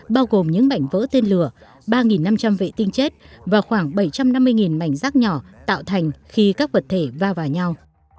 bao gồm những mảnh vỡ tên lửa ba năm trăm linh vệ tinh chết và khoảng bảy trăm năm mươi mảnh rác nhỏ tạo thành khi các vật thể va vào nhau